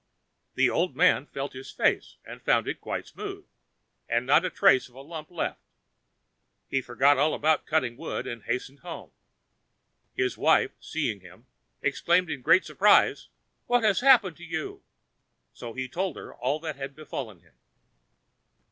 The old man felt his face and found it quite smooth, and not a trace of the lump left. He forgot all about cutting wood, and hastened home. His wife, seeing him, exclaimed in great surprise, "What has happened to you?" So he told her all that had befallen him.